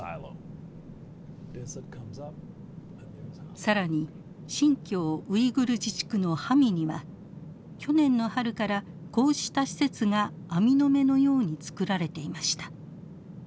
更に新疆ウイグル自治区のハミには去年の春からこうした施設が網の目のように造られていました。